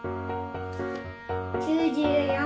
９４。